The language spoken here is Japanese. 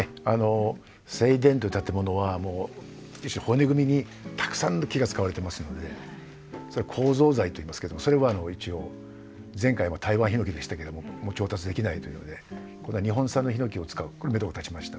正殿っていう建物はもう骨組みにたくさんの木が使われてますのでそれ構造材といいますけどそれは一応前回はタイワンヒノキでしたけども調達できないというので今度は日本産のヒノキを使うめどもたちました。